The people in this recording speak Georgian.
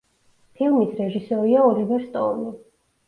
ფილმის რეჟისორია ოლივერ სტოუნი.